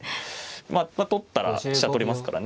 まあ取ったら飛車取れますからね。